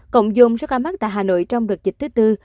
cộng dồn số ca mắc tại hà nội trong đợt dịch thứ tư